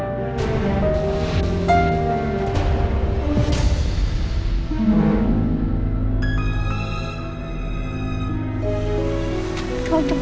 nanya kalau suap